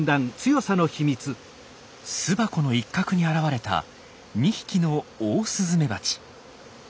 巣箱の一角に現れた２匹のオオスズメバチ。